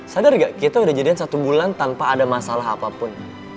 sadar gak kita udah jadian satu bulan tanpa ada masalah apapun